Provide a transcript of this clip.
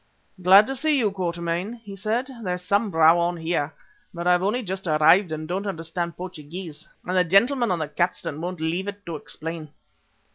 "Glad to see you, Quatermain," he said. "There's some row on here, but I have only just arrived and don't understand Portuguese, and the gentleman on the capstan won't leave it to explain."